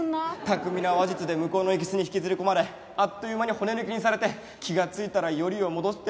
巧みな話術で向こうのいけすに引きずり込まれあっという間に骨抜きにされて気がついたらよりを戻してる。